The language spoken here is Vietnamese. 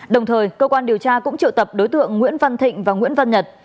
đồng thời cơ quan điều tra cũng triệu tập đối tượng nguyễn văn thịnh và nguyễn văn nhật